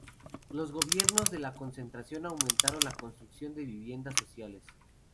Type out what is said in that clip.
Los gobiernos de la Concertación aumentaron la construcción de viviendas sociales.